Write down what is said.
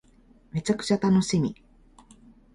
めちゃくちゃ楽しみ